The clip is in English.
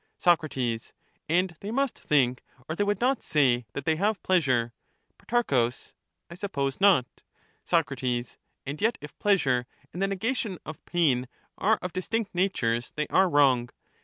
Soc, And they must think or they would not say that they have pleasure. Pro, I suppose not. Soc, And yet if pleasure and the negation of pain are of distinct natures, they are wrong.